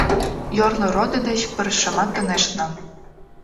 Йорло родо деч пырысшымат ынешт нал.